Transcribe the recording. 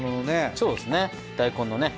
そうですね大根のね。